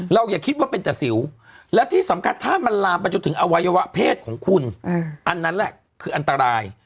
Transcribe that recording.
อย่าคิดว่าเป็นแต่สิวและที่สำคัญถ้ามันลามไปจนถึงอวัยวะเพศของคุณอันนั้นแหละคืออันตราย